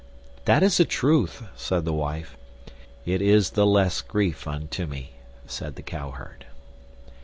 That is truth, said the wife. It is the less grief unto me, said the cowherd.